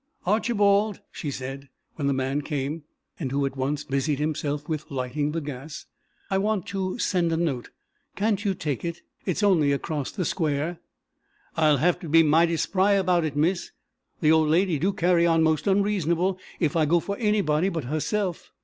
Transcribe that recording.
"Archibald," she said, when the man came, and who at once busied himself with lighting the gas, "I want to send a note; can't you take it? It's only across the square." "I'll have to be mighty spry about it, miss. The old lady do carry on most unreasonable if I go for anybody but herself.